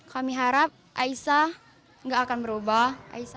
kami harap aisyah tidak akan berubah